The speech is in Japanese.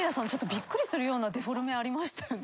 びっくりするようなデフォルメありましたよね？